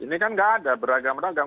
ini kan gak ada beragam agam